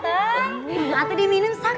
oh ini buat aku diminum sak